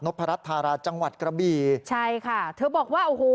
พรัชธาราจังหวัดกระบี่ใช่ค่ะเธอบอกว่าโอ้โห